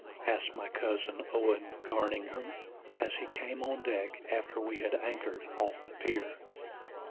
asked my cousin Owen Garningham, as he came on deck after we had anchored off the pier.